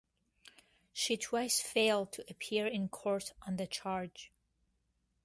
She twice failed to appear in court on the charge.